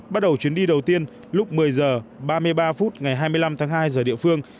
bắt đầu chuyến đi đầu tiên lúc một mươi h ba mươi ba phút ngày hai mươi năm tháng hai giờ địa phương